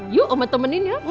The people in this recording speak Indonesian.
yaudah omet temenin ya